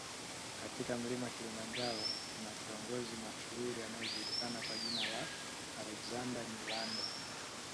katika mlima Kilimanjaro kuna kiongozi mashuhuri anayejulikana kwa jina la Alexander Nyirande